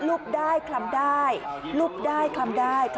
ลุกได้คลำได้ลุกได้คลำได้